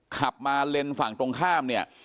ขับมาเลนส์ฝั่งตรงข้ามเนี่ย